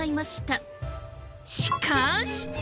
しかし！